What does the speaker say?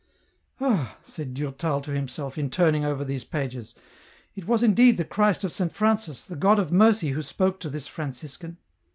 " Ah," said Durtal to himself, m turning over these pages, "it was indeed the Christ of Saint Francis, the God of mercy who spoke to this Franciscan